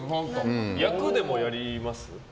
役でもやります？